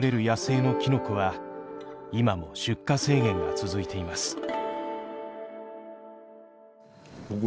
野生のキノコは今も出荷制限が続いています。